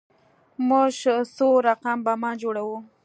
موږ څو رقم بمان جوړوو.